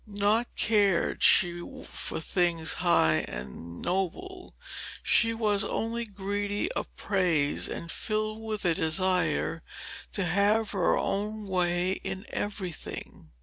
Nought cared she for things high and noble, she was only greedy of praise and filled with a desire to have her own way in everything.